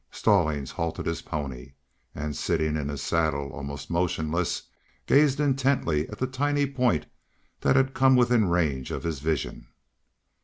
Stallings halted his pony, and, sitting in his saddle almost motionless, gazed intently at the tiny point that had come within range of his vision.